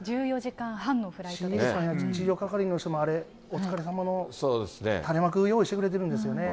地上係員の方もあれ、お疲れさまの垂れ幕用意してくれてるんですよね。